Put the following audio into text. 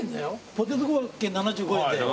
ポテトコロッケ７５円で。